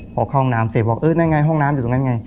พอเข้าห้องน้ำเสร็จบอกเออนั่นไงห้องน้ำอยู่ตรงนั้นไง